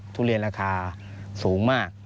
ทุเรียนราคาสูงมาก